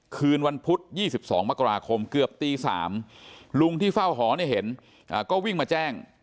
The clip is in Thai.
คืนวันพุธ๒๒มกราคมเกือบตี๓ลุงที่เฝ้าหอเนี่ยเห็นก็วิ่งมาแจ้ง